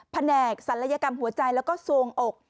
แผนกศัลยกรรมหัวใจแล้วก็สวงอก